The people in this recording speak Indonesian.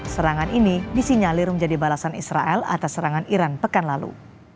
serangan ini disinyalir menjadi balasan israel atas serangan iran pekan lalu